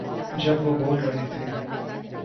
جب وہ بول رہے تھے۔